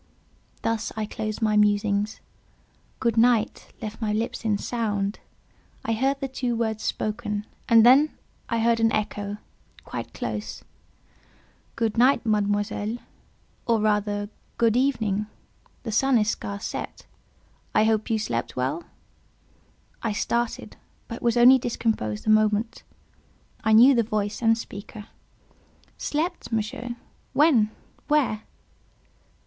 Thus I closed my musings. "Good night" left my lips in sound; I heard the words spoken, and then I heard an echo—quite close. "Good night, Mademoiselle; or, rather, good evening—the sun is scarce set; I hope you slept well?" I started, but was only discomposed a moment; I knew the voice and speaker. "Slept, Monsieur! When? where?"